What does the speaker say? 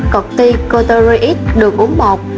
corticoteroid được uống bột